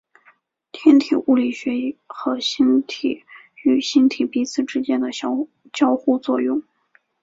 天体物理学和星体与星体彼此之间的交互作用。